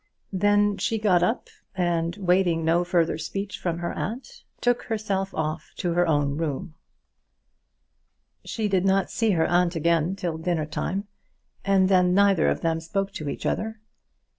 Then she got up, and waiting no further speech from her aunt, took herself off to her own room. She did not see her aunt again till dinner time, and then neither of them spoke to each other.